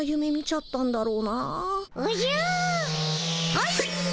はい。